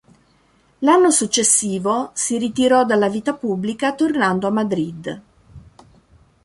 L'anno successivo si ritirò dalla vita pubblica tornando a Madrid.